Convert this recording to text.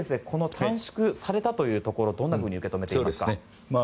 この短縮されたというところどう受け止めていますか？